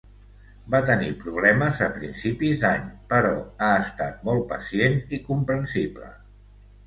Va tenir problemes a principis d'any, però ha estat molt pacient i comprensible.